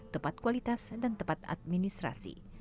tepat kualitas dan tepat administrasi